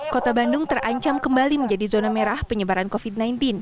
kota bandung terancam kembali menjadi zona merah penyebaran covid sembilan belas